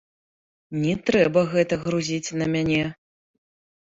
Не трэба гэта грузіць на мяне.